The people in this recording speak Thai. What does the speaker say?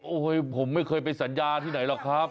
โอ้โหผมไม่เคยไปสัญญาที่ไหนหรอกครับ